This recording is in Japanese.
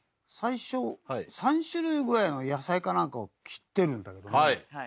最初３種類ぐらいの野菜かなんかを切ってるんだけどね。